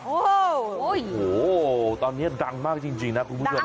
โอ้โหตอนนี้ดังมากจริงนะคุณผู้ชม